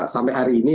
sampai hari ini